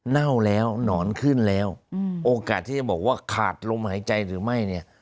เน่าแล้วหนอนขึ้นแล้วโอกาสที่จะบอกว่าขาดลมหายใจหรือไม่เนี่ย